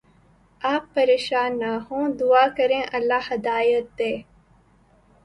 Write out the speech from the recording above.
آپ پریشان نہ ہوں دعا کریں اللہ ہدایت دے